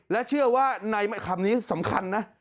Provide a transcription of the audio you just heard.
และเชื่อว่าในคำนี้สำคัญนะ